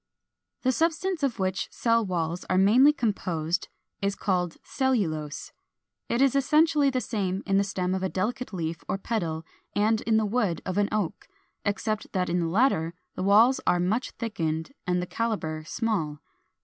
] 402. The substance of which cell walls are mainly composed is called CELLULOSE. It is essentially the same in the stem of a delicate leaf or petal and in the wood of an Oak, except that in the latter the walls are much thickened and the calibre small.